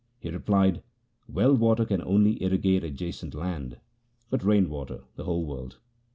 He replied, ' Well water can only irrigate adjacent land, but rain water the whole world.